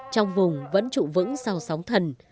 trong vùng vẫn trụ vững sau sóng thần